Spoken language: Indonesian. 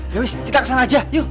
yowis kita kesana aja